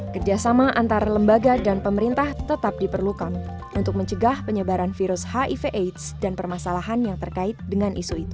kerjasama antar lembaga dan pemerintah tetap diperlukan untuk mencegah penyebaran virus hiv aids dan permasalahan yang terkait dengan isu itu